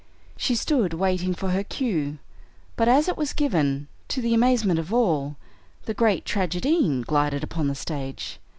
She stood waiting for her cue, but as it was given, to the amazement of all, the great tragedienne glided upon the stage.